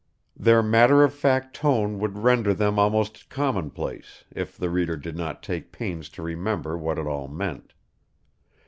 Their matter of fact tone would render them almost commonplace, if the reader did not take pains to remember what it all meant.